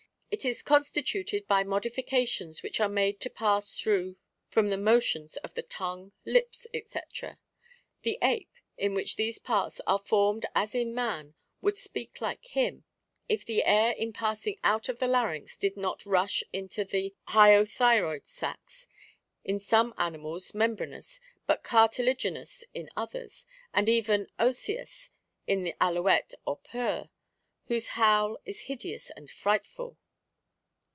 It is consti tuted by modifications which ate made to pass through from the motions of the tongue, lips, &c. The ape, in which these parts are formed as in man, would speak like him, if the air in passing out of the larynx did not rush into the hyothyroid sacs, in some animals membranous, out cartila ginous in others, and even osseous in the alouette or purr, whose howl is hideous and frightful.